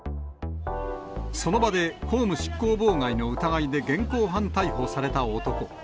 その場で公務執行妨害の疑いで現行犯逮捕された男。